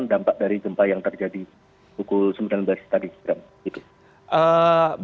dan juga ada yang mencari informasi terbaru terkait dampak dari gempa yang terjadi pukul sembilan belas tadi